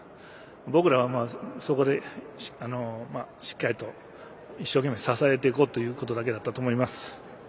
僕らは、そこでしっかりと一生懸命支えていこうということだったと思います。